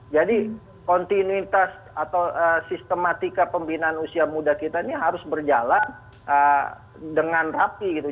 jadi kontinuitas atau sistematika pembinaan usia muda kita ini harus berjalan dengan rapi gitu